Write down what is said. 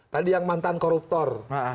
tadi yang mantan koruptor